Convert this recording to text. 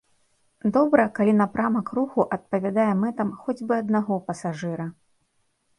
Добра, калі напрамак руху адпавядае мэтам хоць бы аднаго пасажыра.